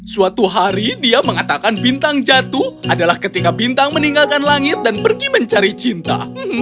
suatu hari dia mengatakan bintang jatuh adalah ketika bintang meninggalkan langit dan pergi mencari cinta